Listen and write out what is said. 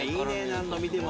何度見ても。